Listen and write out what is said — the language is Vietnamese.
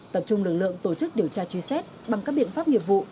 tập trung lực lượng tổ chức điều tra truy xét bằng các biện pháp nghiệp vụ